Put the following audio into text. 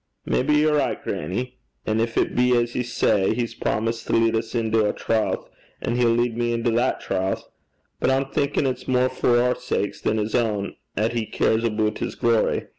'Maybe ye're richt, grannie. An' gin it be as ye say he's promised to lead us into a' trowth, an' he'll lead me into that trowth. But I'm thinkin' it's mair for oor sakes than his ain 'at he cares aboot his glory.